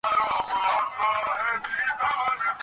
আপনার চুল আঁচড়ে দেয় কে?